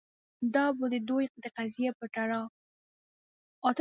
دا به د دوی د قضیې په تړاو